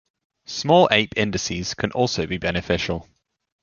Small ape indices can also be beneficial.